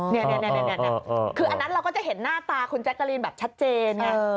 นี่คืออันนั้นเราก็จะเห็นหน้าตาคุณแจ๊กกะลีนแบบชัดเจนไง